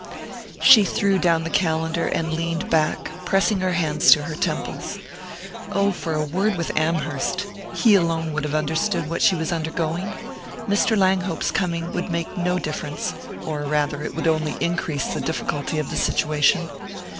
She threw down the calendar and leaned back, pressing her hands to her temples. Oh, for a word with Amherst he alone would have understood what she was undergoing! Mr. Langhope's coming would make no difference or rather, it would only increase the difficulty of the situation.